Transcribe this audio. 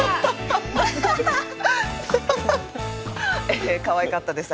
えかわいかったです。